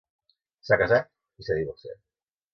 S'ha casat, i s'ha divorciat.